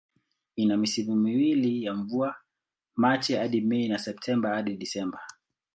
Ina misimu miwili ya mvua, Machi hadi Mei na Septemba hadi Disemba.